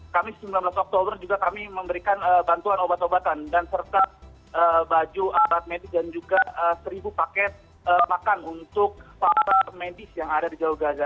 kami sembilan belas oktober juga kami memberikan bantuan obat obatan dan serta baju alat medik dan juga seribu paket makan untuk para medis yang ada di jalur gaza